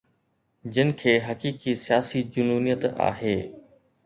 جن کي حقيقي سياسي جنونيت آهي